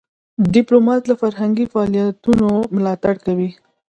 ډيپلومات له فرهنګي فعالیتونو ملاتړ کوي.